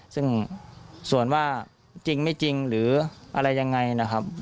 ซึ่งส่วนว่าจริงไม่จริงหรืออะไรยังไงนะครับ